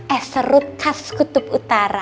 eserut khas kutub utara